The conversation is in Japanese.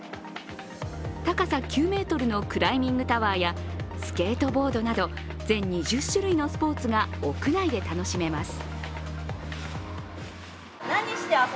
高さ９ｍのクライミングタワーやスケートボードなど全２０種類のスポーツが屋内で楽しめます。